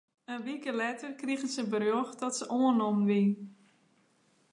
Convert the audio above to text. In wike letter krige se berjocht dat se oannommen wie.